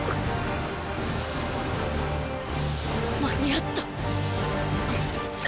間に合った。